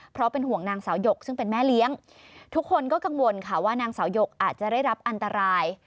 เพราะเป็นห่วงนางสาวหยกซึ่งเป็นแม่เลี้ยงทุกคนก็กังวลค่ะว่านางสาวหยกอาจจะได้รับอันตราย